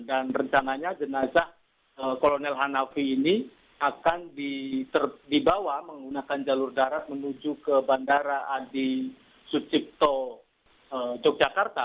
dan rencananya jenazah kolonel hanafi ini akan dibawa menggunakan jalur darat menuju ke bandara adi sucipto yogyakarta